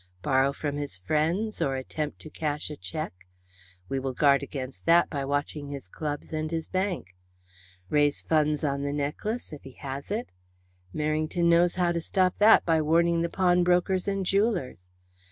Borrow from his friends or attempt to cash a cheque? We will guard against that by watching his clubs and his bank. Raise funds on the necklace if he has it? Merrington knows how to stop that by warning the pawn brokers and jewellers.